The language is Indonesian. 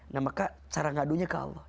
nah maka cara ngadunya ke allah